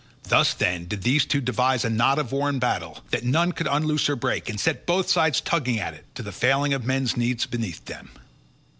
Thus, then, did these two devise a knot of war and battle, that none could unloose or break, and set both sides tugging at it, to the failing of men's knees beneath them.